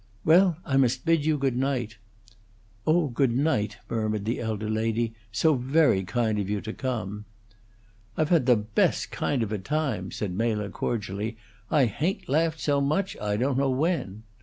"Well, I must bid you good night." "Oh, good night," murmured the elder lady. "So very kind of you to come." "I've had the best kind of a time," said Mela, cordially. "I hain't laughed so much, I don't know when."